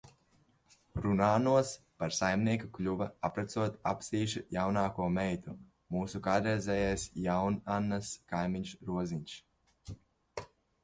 Rūnanos par saimnieku kļuva apprecot Apsīšu jaunāko meitu, mūsu kādreizējais Jaunannas kaimiņš Roziņš.